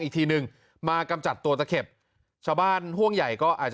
อีกทีหนึ่งมากำจัดตัวตะเข็บชาวบ้านห่วงใหญ่ก็อาจจะ